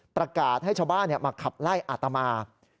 ประกาศให้ชาวบ้านมาขับไล่อาตมา